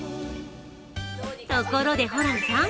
ところで、ホランさん